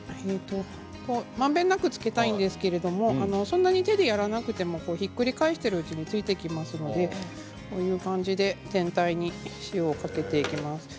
まんべんなくつけたいんですけどそんなに手でやらなくてもひっくり返しているうちについてきますのでこういう感じで全体に塩をかけていきます。